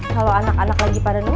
kalau anak anak lagi pada nunggu